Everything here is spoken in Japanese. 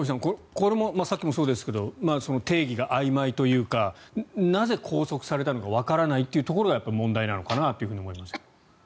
これもさっきもそうですけど定義があいまいというかなぜ拘束されたのかわからないというところがやっぱり問題なのかなと思いますが。